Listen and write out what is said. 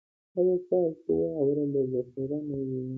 ایا ستاسو واوره به ذخیره نه وي؟